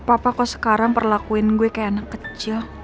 papa kok sekarang perlakuin gue kayak anak kecil